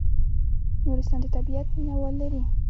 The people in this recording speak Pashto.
نورستان د طبیعت مینه وال لري